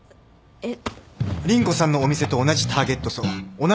えっ？